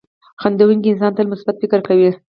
• خندېدونکی انسان تل مثبت فکر کوي.